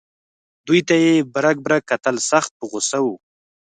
دوی ته یې برګ برګ کتل سخت په غوسه و.